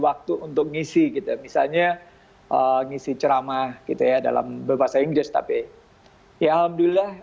waktu untuk isi kita misalnya ngisi ceramah kita dalam berbahasa inggris tapi ya alhamdulillah